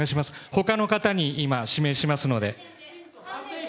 ほかの方に今、指名しますので。